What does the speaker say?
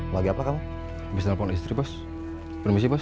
lagi apa kamu bisa ponis ribus permisi bos